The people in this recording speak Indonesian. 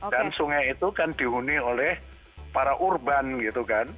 dan sungai itu kan dihuni oleh para urban gitu kan